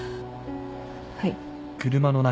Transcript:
はい。